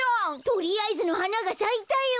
とりあえずのはながさいたよ！